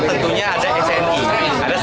tentunya ada yang mengembangkan pasar